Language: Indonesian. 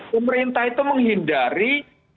pemerintah itu menghindari